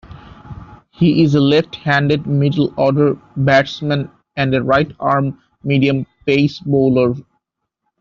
He is a left-handed middle-order batsman and a right-arm medium pace bowler.